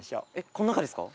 こん中ですか？